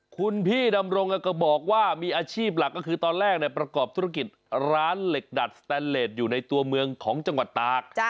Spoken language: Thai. คุณพี่ดำรงก็บอกว่ามีอาชีพหลักก็คือตอนแรกประกอบธุรกิจร้านเหล็กดัดสแตนเลสอยู่ในตัวเมืองของจังหวัดตาก